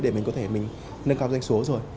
để mình có thể mình nâng cao doanh số rồi